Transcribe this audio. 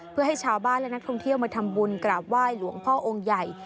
เพื่อให้ชาวบ้านและนักท่องเที่ยวมาทำบุญกราบไหว้หลวงพ่อองค์ใหญ่